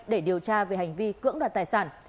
để điều tra về hành vi cưỡng đoạt tài sản